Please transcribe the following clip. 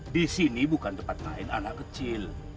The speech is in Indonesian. di sini bukan tempat main anak kecil